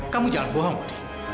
kamu jangan bohong odi